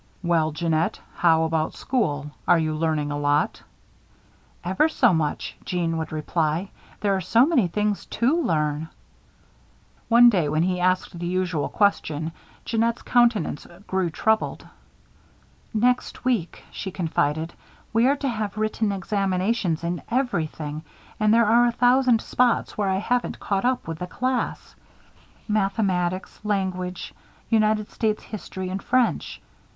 "Well, Jeannette, how about school! Are you learning a lot?" "Ever so much," Jeanne would reply. "There are so many things to learn." One day, when he asked the usual question, Jeannette's countenance grew troubled. "Next week," she confided, "we are to have written examinations in everything and there are a thousand spots where I haven't caught up with the class. Mathematics, language, United States history, and French.